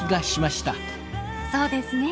そうですね。